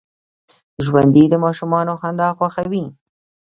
ژوندي د ماشومانو خندا خوښوي